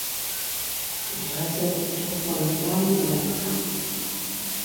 Maradhi ya kutokwa na damu ghafla